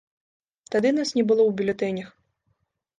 Тады нас не было ў бюлетэнях.